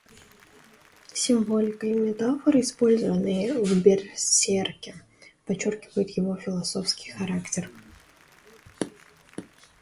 Символика и метафоры, использованные в Берсерке, подчеркивают его философский характер.